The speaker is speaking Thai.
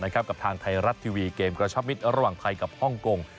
กับทางไทยรัฐทีวีเกมกระชับมิตรระหว่างไทยกับฮ่องกง